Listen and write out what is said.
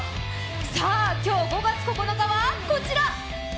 さあ、今日５月９日はこちら！